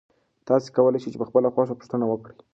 تاسي کولای شئ په خپله خوښه پوښتنه وکړئ.